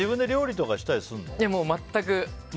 全く。